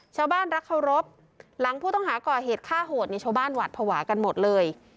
รักเคารพหลังผู้ต้องหาก่อเหตุฆ่าโหดเนี่ยชาวบ้านหวัดภาวะกันหมดเลย